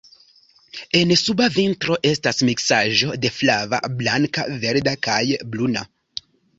En suba ventro estas miksaĵo de flava, blanka, verda kaj bruna.